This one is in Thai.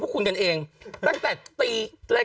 กล้องกว้างอย่างเดียว